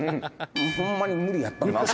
ホンマに無理やったんですよ」